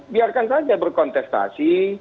biarkan saja berkontestasi